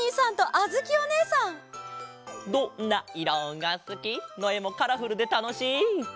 「どんないろがすき」のえもカラフルでたのしい！